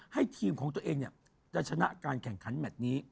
ให้ทีมของตัวเองจะชนะการแข่งขันแมทนี้